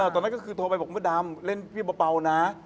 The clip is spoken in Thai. ตอนนั้นก็คือโทรไปบอกคุณพ่อดำเล่นพี่เปล่านะ